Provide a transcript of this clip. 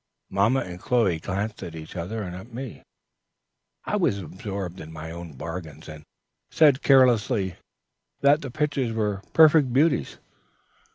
Mamma and Chloe glanced at each other and at me; I was absorbed in my own bargains, and said, carelessly, that the pitchers were perfect beauties.